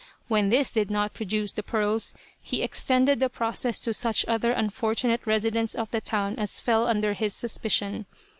When this did not produce the pearls he extended the process to such other unfortunate residents of the town as fell under his suspicion.